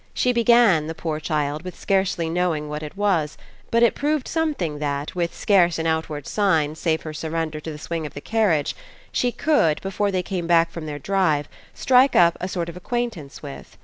She began, the poor child, with scarcely knowing what it was; but it proved something that, with scarce an outward sign save her surrender to the swing of the carriage, she could, before they came back from their drive, strike up a sort of acquaintance with.